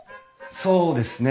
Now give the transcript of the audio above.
そうですね。